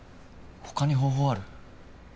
他に方法ある？